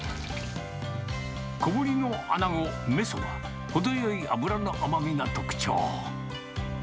小ぶりのあなご、メソは、程よい脂の甘みが特徴。